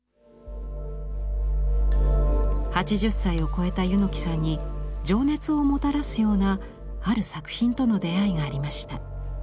８０歳を超えた柚木さんに情熱をもたらすようなある作品との出会いがありました。